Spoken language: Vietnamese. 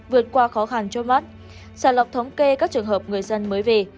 vượt qua khó khăn trôi mắt xả lọc thống kê các trường hợp người dân mới về